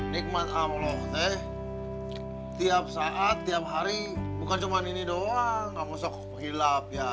nikmat allah teh tiap saat tiap hari bukan cuman ini doang kamu sok hilaf ya